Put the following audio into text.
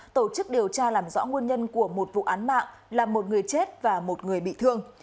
tổ chức điều tra làm rõ nguồn nhân của một vụ án mạng là một người chết và một người bị thương